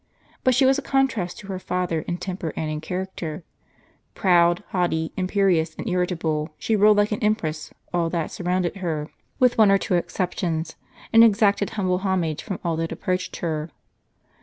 But she was a contrast to her father in temper and in character. Proud, haughty, imperious, and irritable, she ruled like an empress all that Couch from Herculaneum. surrounded her, with one or two exceptions, and exacted humble homage from all that approached her.